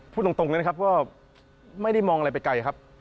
พูดตรงเลยนะครับว่าไม่ได้มองอะไรไปไกลครับ